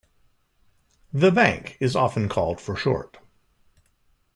The Bank is often called for short.